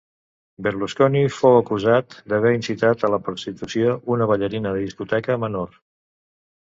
Berlusconi fou acusat d'haver incitat a la prostitució una ballarina de discoteca menor.